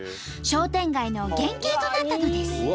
商店街の原形となったのです。